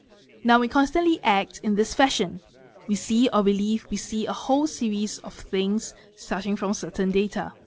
Now constantly act in this fashion, we see or believe we see a whole series 0 things starting from certain data.